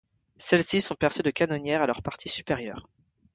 Celles-ci sont percées de canonnières à leur partie supérieure.